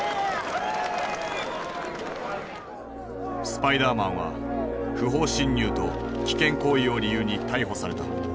スパイダーマンは不法侵入と危険行為を理由に逮捕された。